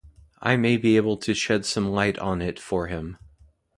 I may be able to shed some light on it for him